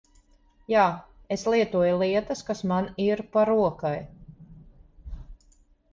Jā, es lietoju lietas kas man ir pa rokai.